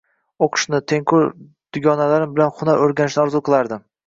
O`qishni, tengqur dugonalarim bilan hunarlar o`rganishni orzu qilardim